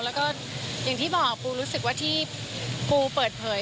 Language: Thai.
แล้วก็อย่างที่บอกปูรู้สึกว่าที่ปูเปิดเผย